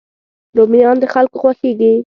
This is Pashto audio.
رومیان د خلکو خوښېږي